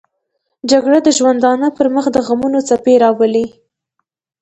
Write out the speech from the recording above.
جګړه د ژوندانه پر مخ دغمونو څپې راولي